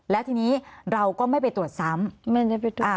แล้วทีนี้เราก็ไม่ไปตรวจซ้ำ